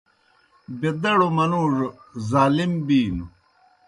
بیدڑوْ منُوڙو ظالم بِینوْ۔